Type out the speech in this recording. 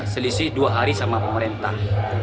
selisih dua hari sama pemerintah